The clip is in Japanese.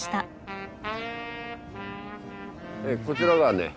こちらがね